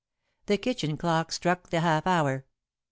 The kitchen clock struck the half hour.